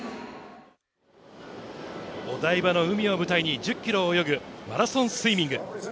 お台場の海を舞台に２０ｋｍを泳ぐマラソンスイミング。